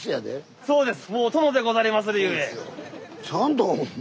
そうですね。